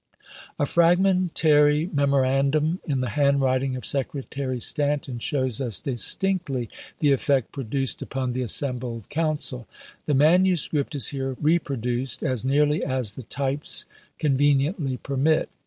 A fragmentary memorandum in the handwriting of Secretary Stanton shows us distinctly the effect produced upon the assembled council. The manu script is here reproduced as nearly as the types conveniently permit.